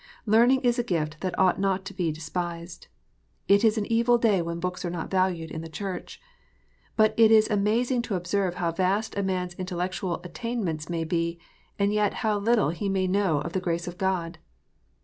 Learning is a gift that ought not to be despised. It is an evil day when books are not valued in the Church. But it is amazing to observe how vast a man s intellectual attainments may be, and yet how little he may know of the grace of God.